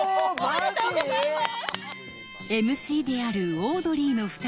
ありがとうございます。